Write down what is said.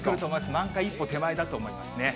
満開一歩手前だと思いますね。